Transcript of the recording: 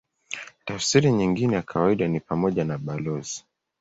Tafsiri nyingine ya kawaida ni pamoja na balozi.